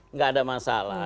enggak ada masalah